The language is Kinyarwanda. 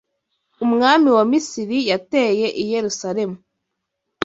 umwami wa Misiri yateye i Yerusalemu